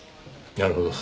なるほど。